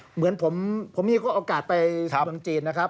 เหมือนผมมีโอกาสไปเมืองจีนนะครับ